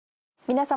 皆様。